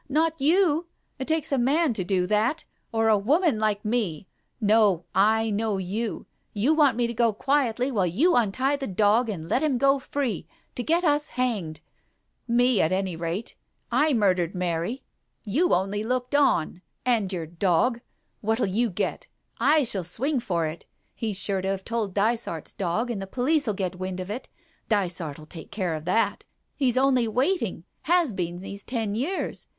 Not you. It takes a man to do that — or a woman like me ! No, I know you. You want me to go quietly, while you untie the dog, and let him go free to get us hanged — me, at any rate. I murdered Mary — Digitized by Google THE WITNESS 207 you only looked on. And your dog. What'll you get? I shall swing for it. He's sure to have told Dysart's dog, and the police '11 get wind of it — Dysart '11 take care of that. He's only waiting — has been these ten years.